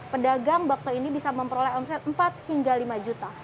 pedagang bakso ini bisa memperoleh omset empat hingga lima juta